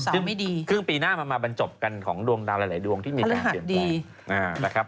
ซึ่งครึ่งปีหน้ามาบรรจบกันของดวงดาวหลายดวงที่มีการเตรียมความ